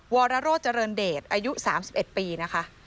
วรรโรจรณเดชน์อายุ๓๑ปีนะคะ